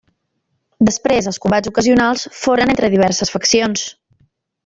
Després els combats ocasionals foren entre diverses faccions.